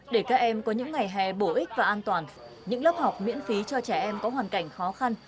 để các em có những ngày hè bổ ích và an toàn những lớp học miễn phí cho trẻ em có hoàn cảnh khó khăn